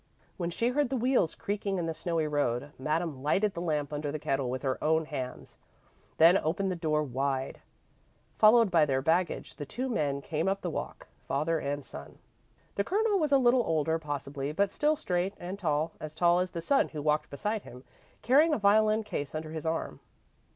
When she heard the wheels creaking in the snowy road, Madame lighted the lamp under the kettle with her own hands, then opened the door wide. Followed by their baggage, the two men came up the walk father and son. The Colonel was a little older, possibly, but still straight and tall almost as tall as the son who walked beside him, carrying a violin case under his arm.